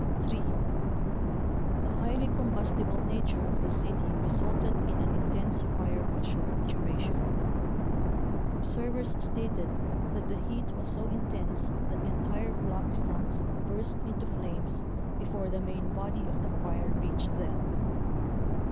3. The highly combustible nature of the city resulted in an intense fire of short duration. Observers stated that the heat was so intense that entire block fronts burst into flames before the main body of the fire reached them.